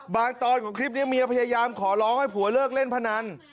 ตอนของคลิปนี้เมียพยายามขอร้องให้ผัวเลิกเล่นพนัน